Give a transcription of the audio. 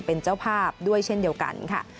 เป็นเจ้าภาพด้วยเช่นเดียวกันค่ะ